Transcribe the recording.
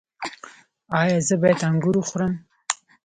ایا زه باید انګور وخورم؟